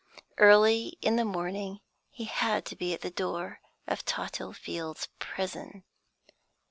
Early in the morning he had to be at the door of Tothill Fields' Prison.